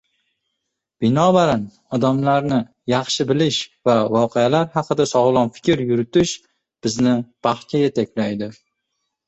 Binobarin, odamlarni yaxshi bilish va voqealar haqida sog‘lom fikr yuritish bizni baxtga yetaklaydi.